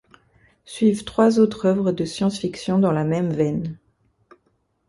Suivent trois autres œuvres de science-fiction dans la même veine.